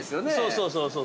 ◆そうそうそう。